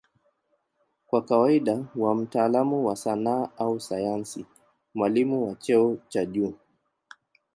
Kwa kawaida huwa mtaalamu wa sanaa au sayansi, mwalimu wa cheo cha juu.